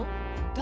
誰？